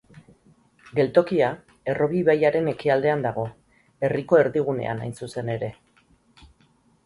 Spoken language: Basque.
Geltokia Errobi ibaiaren ekialdean dago, herriko erdigunean hain zuzen ere.